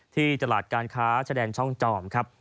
ที่ตลาดการค้าชะแดนช่องจอมครับ